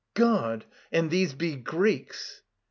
God! And these Be Greeks!